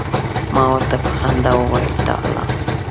ما ورته په خندا وویل تعال.